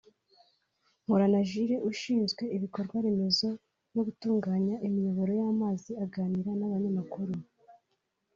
Mporana Jules ushinzwe ibikorwa remezo no gutunganya imiyoboro y’amazi aganira n’abanyamakuru